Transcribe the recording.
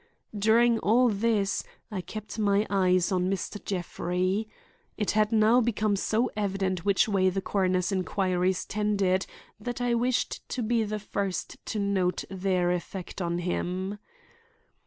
During all this, I kept my eyes on Mr. Jeffrey. It had now become so evident which way the coroner's inquiries tended that I wished to be the first to note their effect on him.